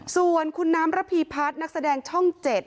ส่วนคุณน้ำระพีพัฒน์นักแสดงช่อง๗